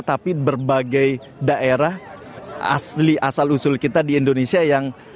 tapi berbagai daerah asal usul kita di indonesia yang